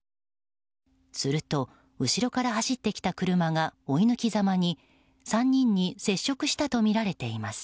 すると、後ろから走ってきた車が追い抜きざまに３人に接触したとみられています。